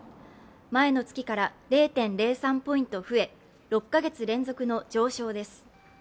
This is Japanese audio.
前の月から０．０３ポイント増え、６カ月連続の上昇です。